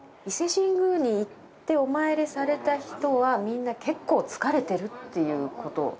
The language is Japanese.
伊勢神宮に行ってお参りされた人はみんな結構疲れてるっていうこと。